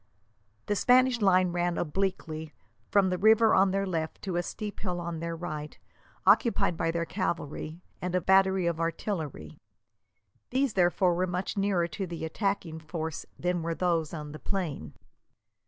The Spanish line ran obliquely, from the river on their left to a steep hill on their right, occupied by their cavalry and a battery of artillery. These, therefore, were much nearer to the attacking force than were those on the plain.